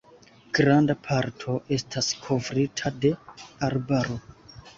Granda parto estas kovrita de arbaro.